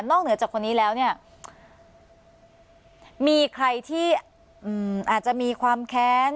เหนือจากคนนี้แล้วเนี่ยมีใครที่อาจจะมีความแค้น